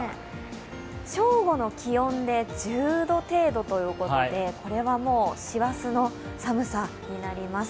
正午の気温で１０度程度ということでこれはもう師走の寒さになります。